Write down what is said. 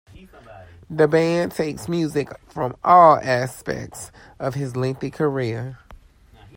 The band takes music from all aspects of his lengthy career.